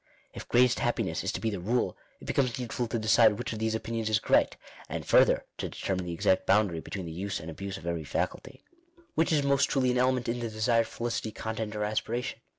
If " greatest happiness " is to be the rule, it beoomes needful to decide which of these opinions is correct; and further to determine the exaot boundary between the use and abhse of every faculty. — Which is most truly an element in the desired felicity, content or aspiration